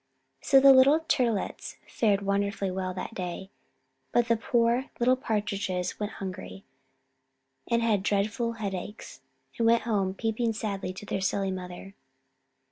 So the little Turtlets fared wonderfully well that day; but the poor little Partridges went hungry, and had dreadful headaches, and went home peeping sadly to their silly mother.